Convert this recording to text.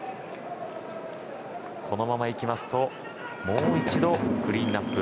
このままいきますともう一度クリーンアップ